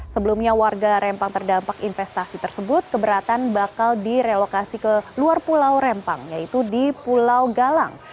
sebelumnya warga rempang terdampak investasi tersebut keberatan bakal direlokasi ke luar pulau rempang yaitu di pulau galang